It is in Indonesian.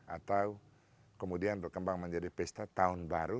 atau kemudian berkembang menjadi pesta tahun baru